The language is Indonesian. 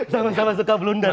sama sama suka blunder